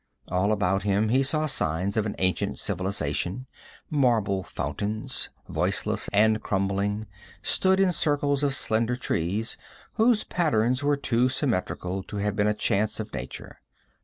All about him he saw signs of an ancient civilization; marble fountains, voiceless and crumbling, stood in circles of slender trees whose patterns were too symmetrical to have been a chance of nature.